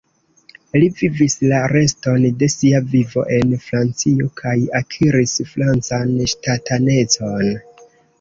Li vivis la reston de sia vivo en Francio kaj akiris francan ŝtatanecon.